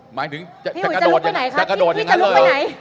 หมายถึงจะกระโดดอย่างงั้นเลย